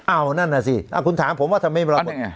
อ้าวนั่นน่ะสิอ้าวคุณถามผมว่าทำไมไม่มีปรากฏ